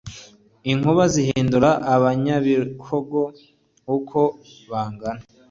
Inkuba zihindura abanyabihogo uko bangana